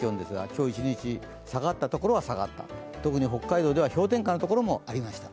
今日一日下がったところは下がった特に北海道では氷点下のところもありました。